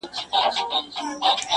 وړې څپې له توپانونو سره لوبي کوي-